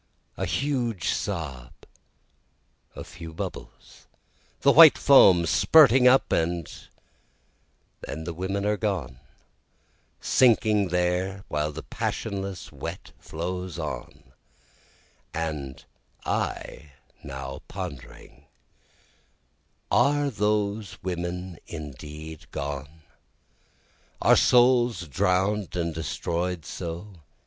A huge sob a few bubbles the white foam spirting up and then the women gone, Sinking there while the passionless wet flows on and I now pondering, Are those women indeed gone? Are souls drown'd and destroy'd so?